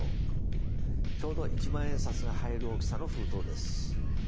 ちょうど一万円札が入る大きさの封筒です。